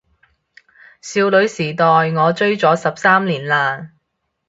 少女時代我追咗十三年喇